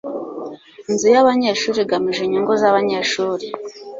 Inzu yabanyeshuri igamije inyungu zabanyeshuri.